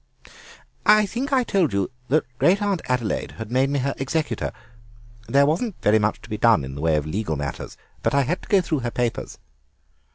"I think I told you that great aunt Adelaide had made me her executor. There wasn't very much to be done in the way of legal matters, but I had to go through her papers."